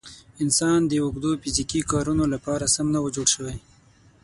انسان د اوږدو فیزیکي کارونو لپاره سم نه و جوړ شوی.